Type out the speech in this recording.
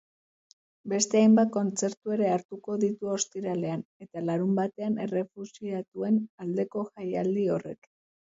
Beste hainbat kontzertu ere hartuko ditu ostiralean eta larunbatean errefuxiatuen aldeko jaialdi horrek.